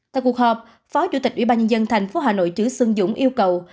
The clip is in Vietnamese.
tại cuộc họp phó chủ tịch ủy ban nhân dân thành phố hà nội chứa xuân dũng yêu cầu